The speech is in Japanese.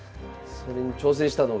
それに挑戦したのが。